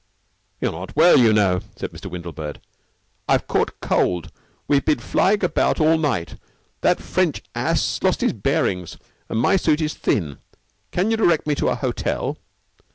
"You're not well, you know," said Mr. Windlebird. "I've caught cold. We've been flying about all night that French ass lost his bearings and my suit is thin. Can you direct me to a hotel?"